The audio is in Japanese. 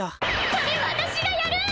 それ私がやる！